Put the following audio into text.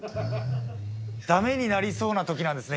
駄目になりそうな時なんですね